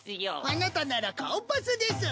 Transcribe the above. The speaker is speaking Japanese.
あなたなら顔パスです。